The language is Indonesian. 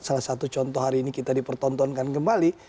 salah satu contoh hari ini kita dipertontonkan kembali